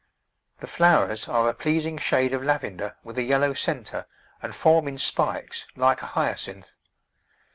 The flowers are a pleasing shade of lavender with a yellow centre and form in spikes like a Hyacinth.